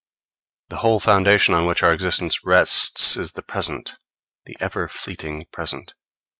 The whole foundation on which our existence rests is the present the ever fleeting present.